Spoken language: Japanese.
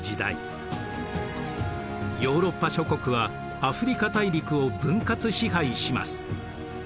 ヨーロッパ諸国はアフリカ大陸を分割支配します。